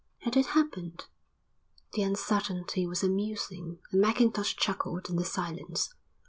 Had it happened? The uncertainty was amusing and Mackintosh chuckled in the silence.